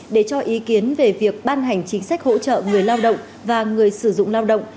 để cho ý kiến về việc ban hành chính sách hỗ trợ người lao động và người sử dụng lao động